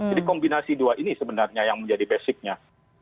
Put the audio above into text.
jadi kombinasi dua ini sebenarnya yang menjadi basicnya